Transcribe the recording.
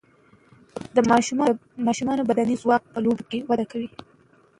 د ماشومان بدني ځواک په لوبو کې وده کوي.